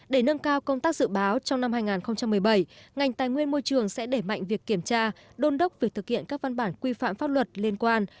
để nâng cao công tác dự báo trong năm hai nghìn một mươi bảy ngành tài nguyên môi trường sẽ đẩy mạnh việc kiểm tra đôn đốc việc thực hiện các văn bản quy phạm pháp luật liên quan